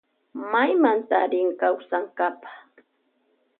Maymanta rin kausankapa.